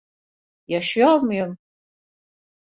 Yaşıyor muyum?